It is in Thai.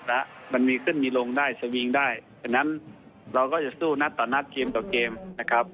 แล้วมันมีขึ้นมีลงได้สวิงได้ฉะนั้นเราก็จะสู้นัดต่อนัดเกมต่อเกมนะครับ